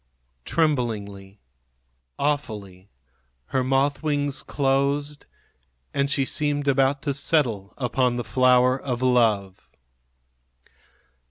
Tremblingly, awfully, her moth wings closed, and she seemed about to settle upon the flower of love.